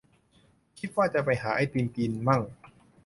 คิดว่าจะไปหาไอติมกินมั่ง